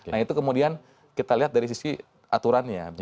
nah itu kemudian kita lihat dari sisi aturannya